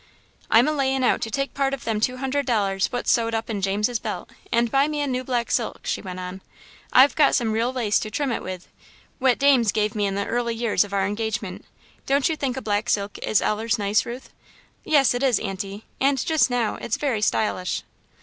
"I'm a layin' out to take part of them two hundred dollars what's sewed up in James's belt, and buy me a new black silk," she went on. "I've got some real lace to trim it with, whet dames give me in the early years of our engagement. Don't you think a black silk is allers nice, Ruth?" "Yes, it is, Aunty; and just now, it's very stylish."